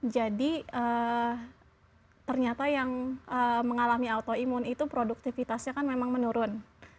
jadi ternyata yang mengalami autoimun itu produktivitasnya kan memang menurun